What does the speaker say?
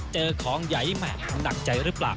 เจอของใหญ่มาหนักใจรึเปล่า